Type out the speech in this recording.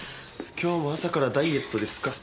今日も朝からダイエットですか。